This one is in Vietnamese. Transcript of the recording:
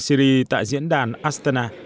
syri tại diễn đàn astana